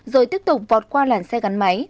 rồi tiếp tục vọt qua làn xe gắn máy